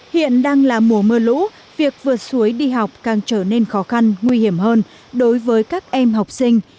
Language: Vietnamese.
hiện đang là mùa mưa lũ việc vượt suối đi học càng trở nên khó khăn nguy hiểm hơn đối với các em học sinh